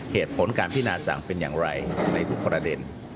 เหตุผลการพินาสั่งเป็นอย่างไรในทุกประเด็น